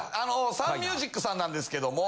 サンミュージックさんなんですけども。